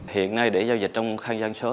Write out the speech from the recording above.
hiện nay để giao dịch trong khang gian số